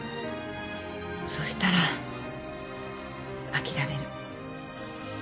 そしたら諦める。